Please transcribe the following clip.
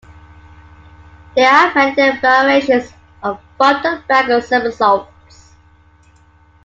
There are many variations of front and back somersaults.